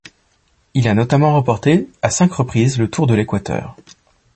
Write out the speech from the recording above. Il a notamment remporté à cinq reprises le Tour de l'Équateur.